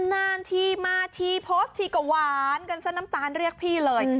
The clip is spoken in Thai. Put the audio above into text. นานทีมาทีพบทีกว่าหวานกันส้นน้ำตาลเรียกพี่เลย